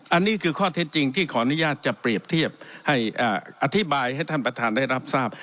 อันนี้คือข้อเท็จจริงที่ขออนุญาตจะเปรียบเทียบให้อธิบายให้ท่านประธานได้รับทราบ